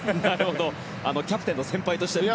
キャプテンの先輩としてね。